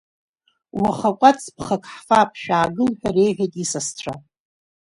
Уаха кәац ԥхак ҳфап, шәаагыл, ҳәа реиҳәеит исасцәа.